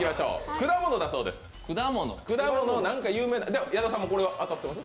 果物何か有名な矢田さんもこれは当たってます？